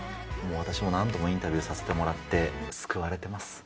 私も何度もインタビューさせてもらって、救われてます。